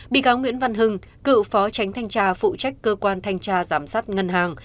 bị cáo nguyễn văn hưng cựu phó tránh thanh tra phụ trách cơ quan thanh tra giám sát ngân hàng